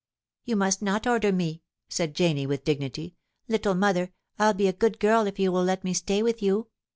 ' You must not order me,' said Janie, with dignity. * Little mother, I'll be a good girl if you will let me stay with you.